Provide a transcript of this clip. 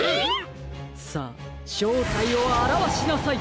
さあしょうたいをあらわしなさい！